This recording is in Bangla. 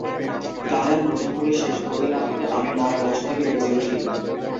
গানের প্রথম কলি শেষ হতে না হতে আমি মরা লাশ থেকে বেঁচে উঠি।